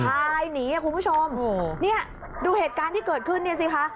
พายหนีคุณผู้ชมเนี่ยดูเหตุการณ์ที่เกิดขึ้นเนี่ยสิคะ